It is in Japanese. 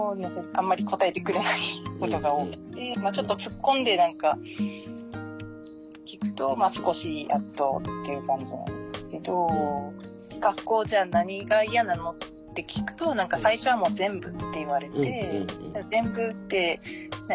あんまり答えてくれないことが多くてちょっと突っ込んで聞くとまあ少しやっとっていう感じなんですけど「学校じゃあ何が嫌なの？」って聞くと何か最初は「もう全部」って言われて全部って何？